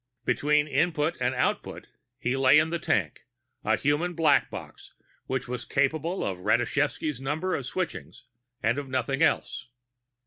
Between Input and Output, he lay in the tank, a human Black Box which was capable of Rashevsky's Number of switchings, and of nothing else.